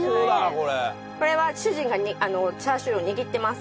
これは主人がチャーシューを握ってます。